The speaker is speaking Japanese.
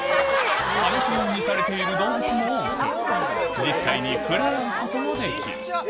放し飼いにされている動物も多く、実際に触れ合うこともできる。